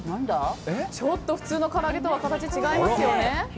ちょっと普通のからあげとは形が違いますよね。